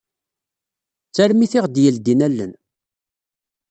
D tarmit i ɣ-d-yeldin allen.